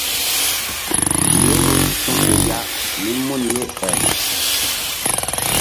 Yoro su̧ fe ya mí mun ye el.